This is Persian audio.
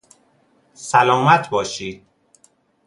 سلامت باشید